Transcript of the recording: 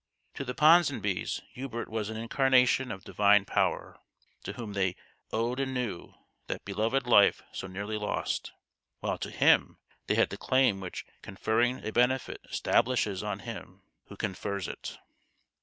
To the Porisonbys Hubert was an incarnation of divine power to whom they owed anew that beloved life so nearly lost ; while to him they had the claim which con ferring a benefit establishes on him who confers it.